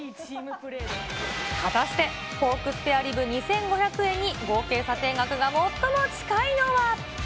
果たして、ポークスペアリブ２５００円に合計査定額が最も近いのは。